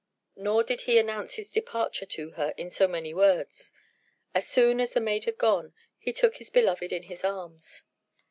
Nor did he announce his departure to her in so many words. As soon as the maid had gone, he took his beloved in his arms.